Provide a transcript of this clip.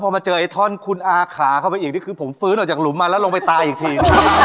พอมาเจอไอ้ท่อนคุณอาขาเข้าไปอีกนี่คือผมฟื้นออกจากหลุมมาแล้วลงไปตายอีกที